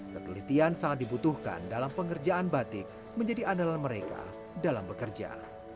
ketelitian sangat dibutuhkan dalam pengerjaan batik menjadi andalan mereka dalam bekerja